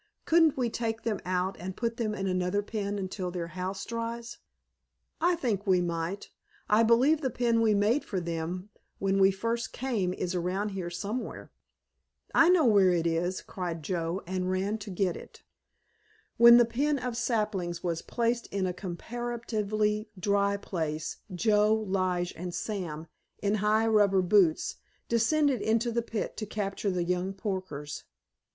Couldn't we take them out and put them in another pen until their house dries?"' "I think we might. I believe the pen we made for them when we first came is around here somewhere." "I know where it is," cried Joe, and ran to get it. When the pen of saplings was placed in a comparatively dry place Joe, Lige and Sam, in high rubber boots, descended into the pit to capture the young porkers.